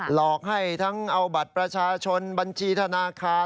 หลอกให้ทั้งเอาบัตรประชาชนบัญชีธนาคาร